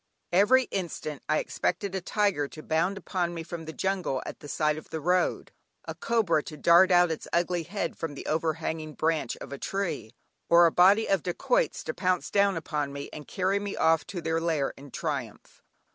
Every instant I expected a tiger to bound upon me from the jungle at the side of the road, a cobra to dart out its ugly head from the overhanging branch of a tree, or a body of dacoits to pounce down upon me and carry me off to their lair in triumph.